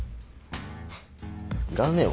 フッいらねえよ